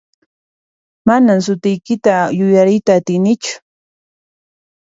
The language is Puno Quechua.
Manan sutiykita yuyariyta atinichu.